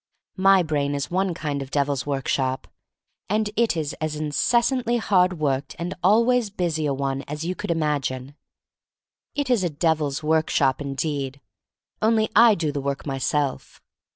My brain is one kind of devil's work shop, and it is as incessantly hard worked and always busy a one as you could imagine. It is a devil's workshop, indeed, only I do the work myself.